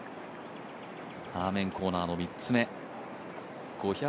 アーメンコーナーの３つ目。